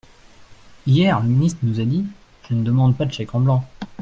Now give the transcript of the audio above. Hier, le ministre nous a dit :« Je ne demande pas de chèque en blanc.